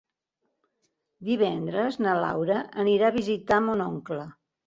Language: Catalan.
Divendres na Laura anirà a visitar mon oncle.